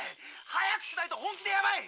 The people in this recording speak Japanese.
早くしないと本気でやばい！